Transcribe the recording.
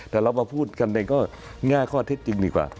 แต่เรามาพูดกันเองก็แง่ข้อเท็จจริงดีกว่า